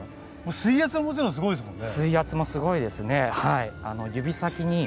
水圧はもちろんすごいですもんね。